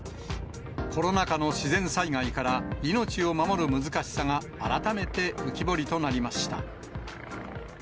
コロナ禍の自然災害から命を守る難しさが改めて浮き彫りとなりました。